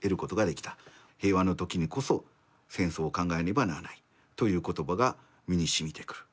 平和のときにこそ戦争を考えねばならないという言葉が身に沁みてくる」。